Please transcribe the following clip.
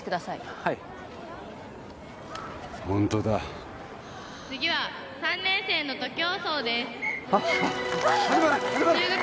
はいホントだ次は３年生の徒競走ですあっあっ